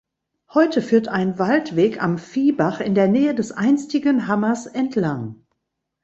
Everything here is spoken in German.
Heute führt ein Waldweg am Viehbach in der Nähe des einstigen Hammers entlang.